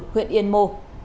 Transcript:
huyện yên mô